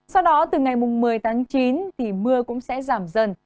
sau đó từ ngày mùng một mươi chín mưa cũng sẽ giảm dần